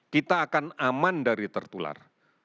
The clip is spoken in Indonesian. kita akan aman dari tertular